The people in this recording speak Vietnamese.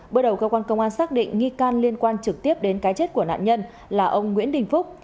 bước đầu cơ quan công an xác định nghi can liên quan trực tiếp đến cái chết của nạn nhân là ông nguyễn đình phúc